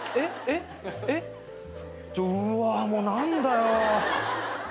うわもう何だよ。